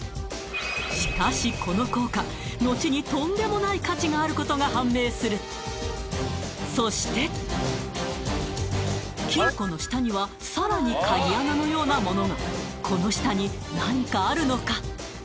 しかしこの硬貨のちにとんでもない価値があることが判明するそして金庫の下にはさらに鍵穴のようなものがこの下に何かあるのか？